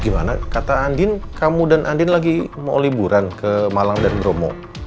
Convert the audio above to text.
gimana kata andin kamu dan andin lagi mau liburan ke malang dan bromo